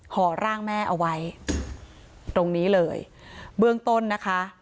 ห่อร่างแม่เอาไว้ตรงนี้เลยเบื้องต้นนะคะ